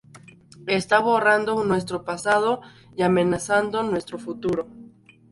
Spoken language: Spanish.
Está borrando nuestro pasado y amenazando nuestro futuro.